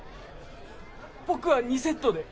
僕は２セットで。